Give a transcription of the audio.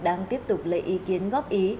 đang tiếp tục lấy ý kiến góp ý